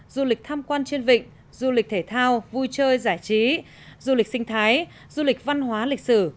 du lịch tham quan trên vịnh du lịch thể thao vui chơi giải trí du lịch sinh thái du lịch văn hóa lịch sử